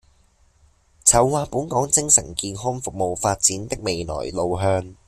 籌劃本港精神健康服務發展的未來路向